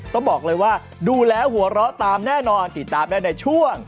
ต้องบอกเลยว่าดูแล้วหัวเราะตามแน่นอนติดตามได้ในช่วง